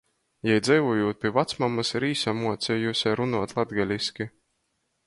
Jei, dzeivojūt pi vacmamys, ir īsamuocejuse runuot latgaliski.